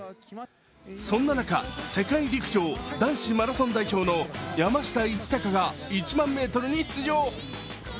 そて中、世界陸上男子マラソン代表の山下一貴が１００００ｍに出場。